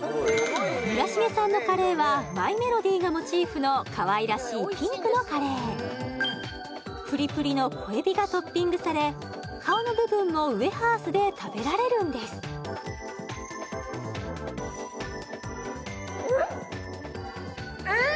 村重さんのカレーはマイメロディがモチーフのかわいらしいピンクのカレープリプリの小エビがトッピングされ顔の部分もウエハースで食べられるんですえっ！？